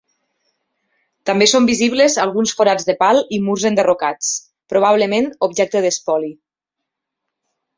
També són visibles alguns forats de pal i murs enderrocats, probablement objecte d'espoli.